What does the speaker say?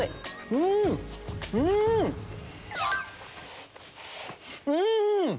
うんうう！